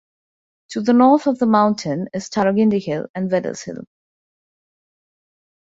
To the north of the mountain is Tarragindi Hill and Wellers Hill.